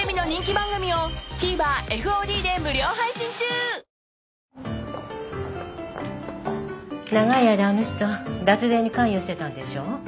東京海上日動長い間あの人脱税に関与してたんでしょ。